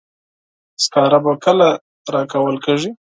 سکاره به کله راکول کیږي.